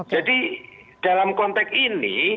jadi dalam konteks ini